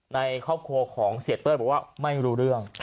ในครอบครัวของเสียเต้ยบอกว่าไม่รู้เรื่อง